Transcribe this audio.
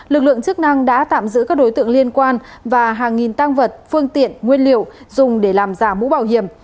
lực lượng chức năng đã tạm giữ các đối tượng liên quan và hàng nghìn tăng vật phương tiện nguyên liệu dùng để làm giả mũ bảo hiểm